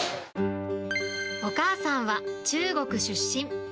お母さんは中国出身。